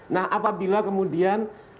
nah apabila kemudian